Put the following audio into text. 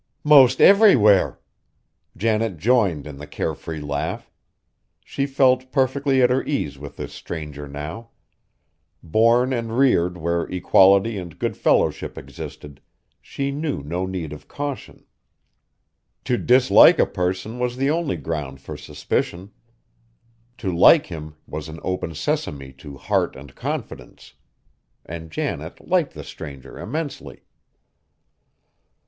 "'Most everywhere!" Janet joined in the care free laugh. She felt perfectly at her ease with this stranger now. Born and reared where equality and good fellowship existed, she knew no need of caution. To dislike a person was the only ground for suspicion. To like him was an open sesame to heart and confidence. And Janet liked the stranger immensely.